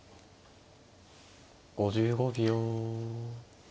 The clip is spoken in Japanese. ５５秒。